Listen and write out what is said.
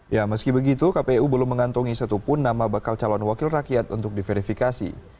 ya meski begitu kpu belum mengantongi satupun nama bakal calon wakil rakyat untuk diverifikasi